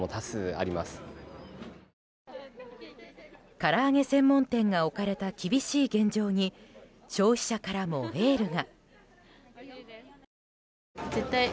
から揚げ専門店が置かれた厳しい現状に消費者からもエールが。